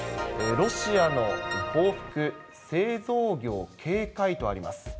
ロシアの報復、製造業警戒とあります。